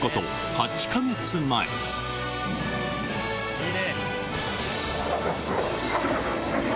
いいね！